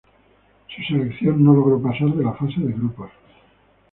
Su selección no logró pasar de la fase de grupos.